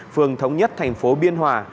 phường thống nhất thành phố biên hòa